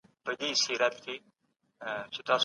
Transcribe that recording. زما ګرېوانه رنځ دي